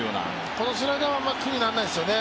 このスライダーは気にならないですよね。